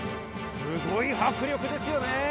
すごい迫力ですよね。